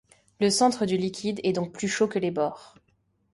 Le centre du liquide est donc plus chaud que les bords.